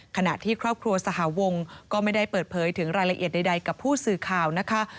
ขณะที่ครอบครัวสหวงก็ไม่ได้เปิดเผยถึงรายละเอียดใดกับผู้สื่อข่าวนะคะ